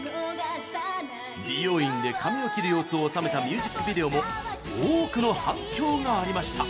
美容院で髪を切る様子を収めたミュージックビデオも多くの反響がありました。